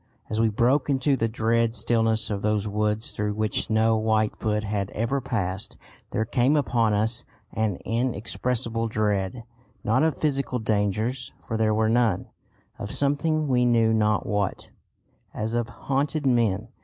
As we broke into the dread stillness of those woods through which no white foot had ever passed, there came upon us an inexpressible dread, not of physical dangers, for there were none; of something, we knew not what, as of haunted men.